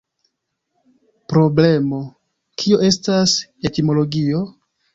Problemo: kio estas etimologio?